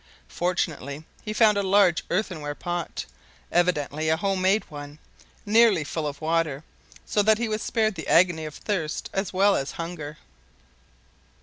Fortunately he found a large earthenware pot evidently a home made one nearly full of water, so that he was spared the agony of thirst as well as hunger.